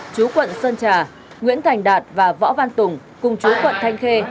chú quận sơn trà nguyễn thành đạt và võ văn tùng cùng chú quận thanh khê